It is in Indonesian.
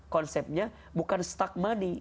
konsepnya bukan stuck money